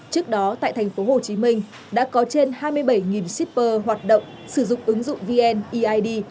trước đó tại thành phố hồ chí minh đã có trên hai mươi bảy shipper hoạt động sử dụng ứng dụng vniid